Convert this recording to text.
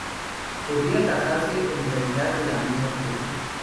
Podría tratarse en realidad de la misma especie.